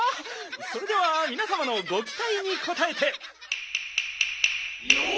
それではみなさまのごきたいにこたえて。